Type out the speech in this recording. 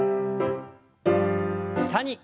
下に。